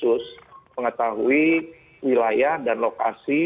untuk mengetahui wilayah dan lokasi